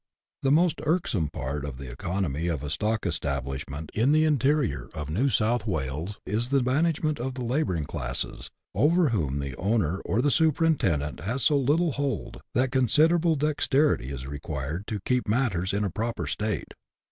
The most irksome part of the economy of a stock establishment in the interior of New South Wales is the management of the labouring classes, over whom the owner or the superintendent has so little hold that considerable dexterity is required to keep matters in a proper state.